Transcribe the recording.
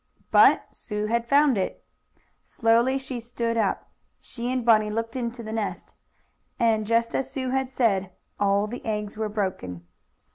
But Sue had found it. Slowly she stood up. She and Bunny looked into the nest And, just as Sue had said, all the eggs were broken.